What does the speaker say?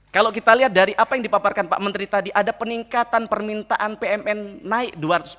kalau kita lihat dari apa yang dipaparkan pak menteri tadi ada peningkatan permintaan pmn naik dua ratus empat puluh